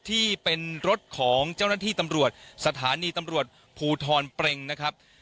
ที่เป็นรถของเจ้าหน้าที่ตำรวจสถานีตำรวจภูทรเปรงนะครับ